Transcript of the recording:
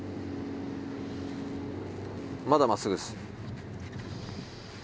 まだ真っすぐっす。